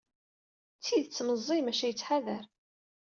D tidet meẓẓiy, maca yettḥadar.